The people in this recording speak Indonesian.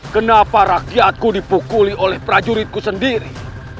kenapa rakyatku dipukuli oleh prajuritku sendiri